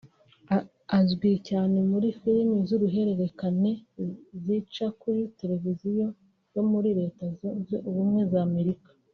Azwi cyane muri filime z’uruhererekane zica kuri terevizi yo muri Leta zunze Ubumwe za Amerika